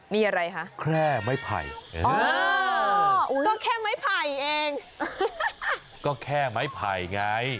มีอะไรฮะแค่ไม้ไผ่อ๋ออุ๊ยก็แค่ไม้ไผ่เอง